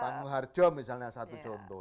pangu harjo misalnya satu contoh